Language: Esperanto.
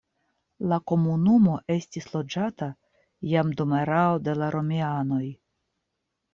La komunumo estis loĝata jam dum erao de la romianoj.